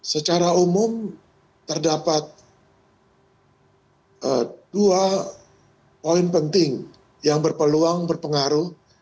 secara umum terdapat dua poin penting yang berpeluang berpengaruh